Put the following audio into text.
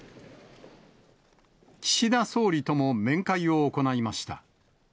岸田総理とも面会を行いました。